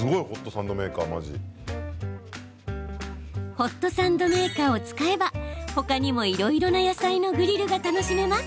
ホットサンドメーカーを使えばほかにも、いろいろな野菜のグリルが楽しめます。